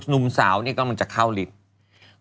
หนุ่มสาวนี่กำลังจะเข้าลิฟต์